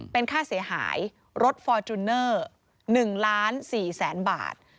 เป็นค่าเสียหายรถฟอร์จูเนอร์๑ล้าน๔แสนบาท